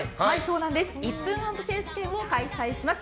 １分アート選手権を開催します。